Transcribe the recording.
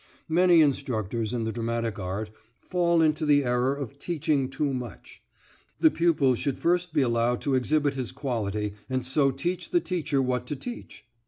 Many instructors in the dramatic art fall into the error of teaching too much. The pupil should first be allowed to exhibit his quality, and so teach the teacher what to teach.